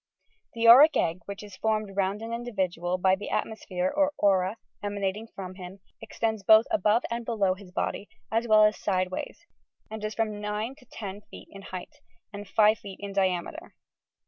This auric egg which is formed round an individual by the atmoepbere or aura, emanating from him, extends both above Euid below his body, as well as sideways, and is from nine to ten feet in height, and five feet in diame ter.